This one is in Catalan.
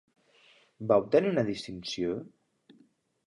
Va obtenir una distinció?